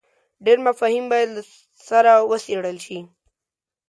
ډېر مفاهیم باید له سره وڅېړل شي.